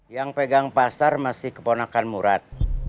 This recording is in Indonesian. yang pegang pasar masih keponakan murat